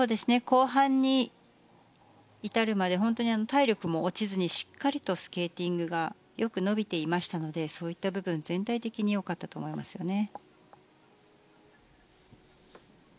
後半に至るまで本当に体力も落ちずにしっかりとスケーティングがよく伸びていましたのでそういった部分全体的によかったと思いますね。